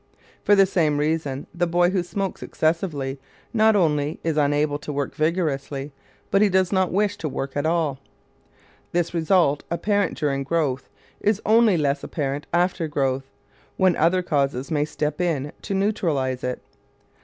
For the same reason the boy who smokes excessively not only is unable to work vigorously, but he does not wish to work at all. This result, apparent during growth, is only less apparent after growth, when other causes may step in to neutralize it.